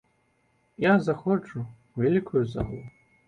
Я заходжу ў вялікую залу.